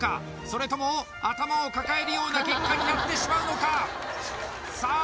それとも頭を抱えるような結果になってしまうのかさあ